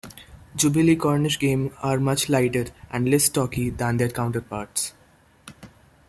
Jubilee Cornish Game are much lighter, and less stocky than their counterparts.